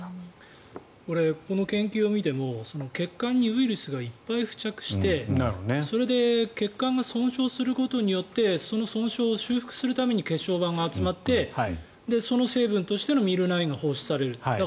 この研究を見ても血管にウイルスがいっぱい付着してそれで欠陥が損傷することによってその損傷を修復するために血小板が集まってその成分としてＭｙｌ９が放出される。